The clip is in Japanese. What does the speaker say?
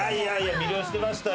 魅了してましたよ